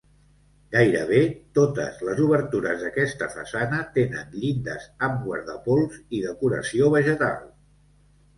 Gairebé totes les obertures d’aquesta façana tenen llindes amb guardapols i decoració vegetal.